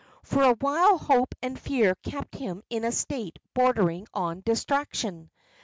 For awhile hope and fear kept him in a state bordering on distraction.